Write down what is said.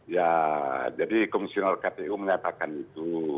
ya jadi komisioner kpu menyatakan itu